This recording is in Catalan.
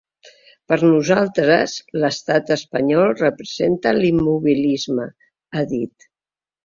“Per nosaltres, l’estat espanyol representa l’immobilisme”, ha dit.